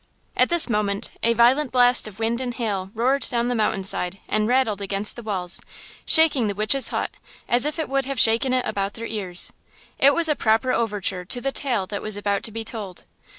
At this moment a violent blast of wind and hail roared down the mountain side and rattled against the walls, shaking the witch's hut, as if it would have shaken it about their ears. It was a proper overture to the tale that was about to be told.